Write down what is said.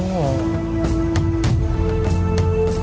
โอ้โห